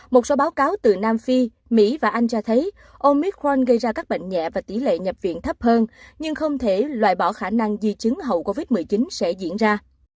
một số báo cáo từ nam phi mỹ và anh cho thấy omid khoan gây ra các bệnh nhẹ và tỷ lệ nhập viện thấp hơn nhưng không thể loại bỏ khả năng di chứng hậu covid một mươi chín sẽ diễn ra